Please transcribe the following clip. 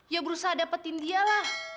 ya berusaha dapetin dia lah